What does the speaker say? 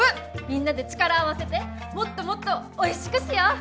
みんなで力を合わせてもっともっとおいしくしよう！